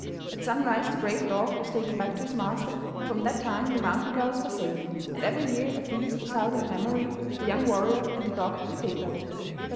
At sunrise the brave dog was taken back to his master, and from that time the mountain girls were safe, and every year a feast was held in memory of the young warrior and the dog Schippeitaro.